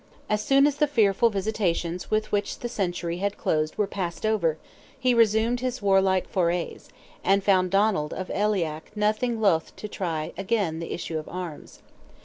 As soon as the fearful visitations with which the century had closed were passed over, he resumed his warlike forays, and found Donald of Aileach nothing loath to try again the issue of arms.